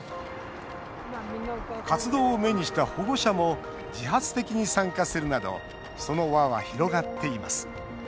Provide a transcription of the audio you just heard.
活動を目にした保護者も自発的に参加するなどその輪は広がっています。